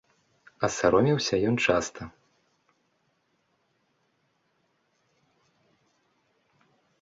А саромеўся ён часта.